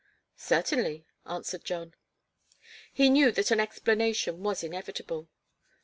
"Certainly," answered John. He knew that an explanation was inevitable.